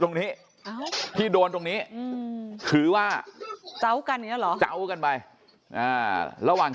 ตรงนี้ที่โดนตรงนี้ถือว่าเจ้ากันอย่างนี้เหรอเจ้ากันไประหว่าง